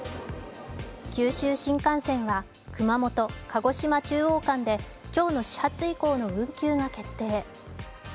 九州新幹線は、熊本、鹿児島中央間で今日の始発以降の運休が決定。